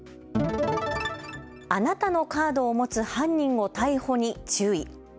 あなたのカードを持つ犯人を逮捕に注意。